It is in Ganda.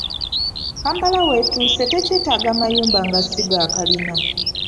Kampala w’etuuse tekyetaaga mayumba nga si ga kalina.